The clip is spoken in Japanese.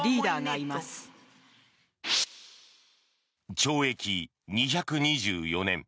懲役２２４年。